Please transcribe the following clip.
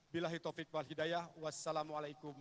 bilahi taufiq wal hidayah wassalamualaikum